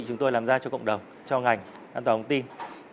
chúng tôi làm ra cho cộng đồng cho ngành an toàn công ty